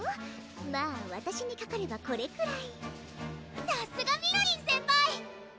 まぁわたしにかかればこれくらいさすがみのりん先輩！